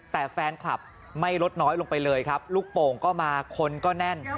แต่แฟนคลับไม่ลดน้อยลงไปเลยครับลูกโป่งก็มาคนก็แน่น